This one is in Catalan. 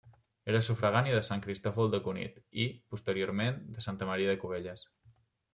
Era sufragània de Sant Cristòfol de Cunit i, posteriorment, de Santa Maria de Cubelles.